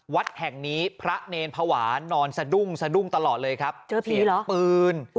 วัดแห่งนี้พระเ์นเผาวานนเล่นใช่ปื้น